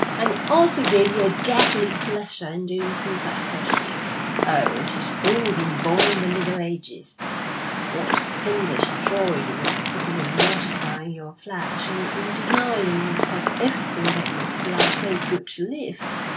'And it also gave you a ghastly pleasure in doing things that hurt you. Oh, if you'd only been born in the Middle Ages, what a fiendish joy you would have taken in mortifying your flesh, and in denying yourself everything that makes life so good to live!